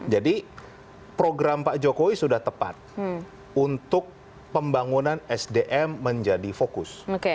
jadi program pak jokowi sudah tepat untuk pembangunan sdm menjadi fokus